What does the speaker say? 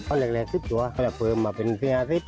ชอบเล็กซิปตัวอัพเพิร์มมาเป็นพี่อาศิสต์